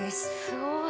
すごい。